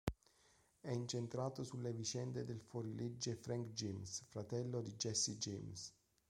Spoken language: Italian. È incentrato sulle vicende del fuorilegge Frank James, fratello di Jesse James.